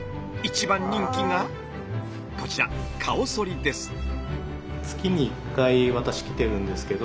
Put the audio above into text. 一番人気がこちら顔そりです。